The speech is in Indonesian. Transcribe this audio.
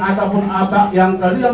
ataupun apa yang kalian